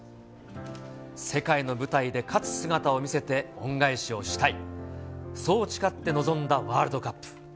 世界の舞台で勝つ姿を見せて、恩返しをしたい、そう誓って臨んだワールドカップ。